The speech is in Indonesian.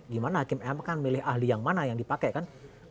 gimana hakim m kan milih ahli yang mana yang dipakai kan